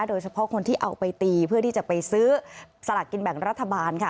โดยเฉพาะคนที่เอาไปตีเพื่อที่จะไปซื้อสลากกินแบ่งรัฐบาลค่ะ